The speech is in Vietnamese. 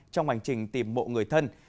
trong hành trình tìm mộ người thân